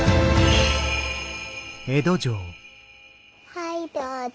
はいどうぞ。